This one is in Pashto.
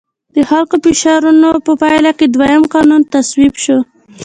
د خلکو د فشارونو په پایله کې دویم قانون تصویب شو.